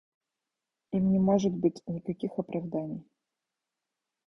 Им не может быть никаких оправданий.